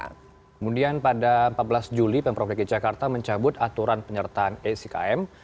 kemudian pada empat belas juli pemprov dki jakarta mencabut aturan penyertaan sikm